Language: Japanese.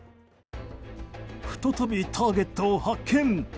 再び、ターゲットを発見。